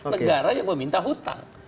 negara yang meminta hutang